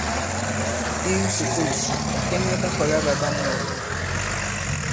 I kisùkulù, ɓàkɛŋɛ ɓa kɔ̀la ɓa ɓa muyàwo.